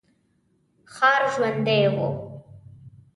ښار ژوندی و.